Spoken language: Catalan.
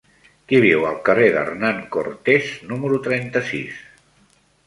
Qui viu al carrer d'Hernán Cortés número trenta-sis?